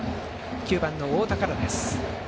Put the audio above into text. ９番の太田からです。